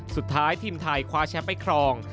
สุดท้ายทีมไทยคว้าแชมป์ไปครอง